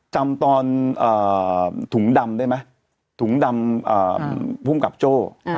จำตอนถุงดำได้ไหมถุงดำภูมิกับโจ้